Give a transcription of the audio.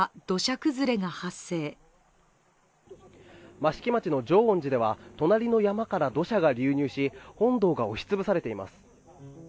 益城町では隣の山から土砂が流入し、本堂が押しつぶされています。